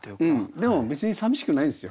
でも別に寂しくないんですよ。